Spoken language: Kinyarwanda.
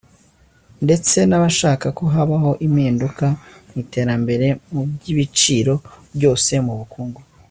ndetse n’abashaka ko habaho impinduka mu iterambere mu byiciro byose ; mu bukungu